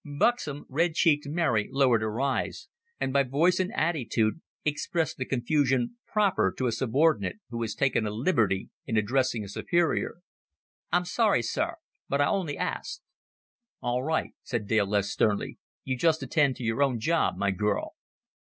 Buxom, red cheeked Mary lowered her eyes, and by voice and attitude expressed the confusion proper to a subordinate who has taken a liberty in addressing a superior. "I'm sorry, sir. But I on'y ast." "All right," said Dale, less sternly. "You just attend to your own job, my girl."